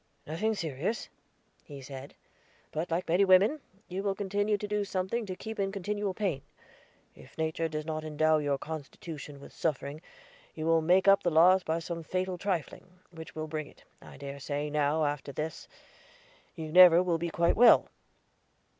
"Nothing serious," he said; "but, like many women, you will continue to do something to keep in continual pain. If Nature does not endow your constitution with suffering, you will make up the loss by some fatal trifling, which will bring it. I dare say, now, that after this, you never will be quite well."